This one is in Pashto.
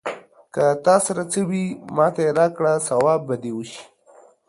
که تا سره څه وي، ماته يې راکړه ثواب به دې وشي.